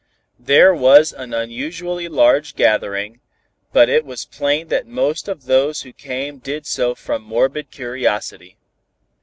There was an unusually large gathering, but it was plain that most of those who came did so from morbid curiosity.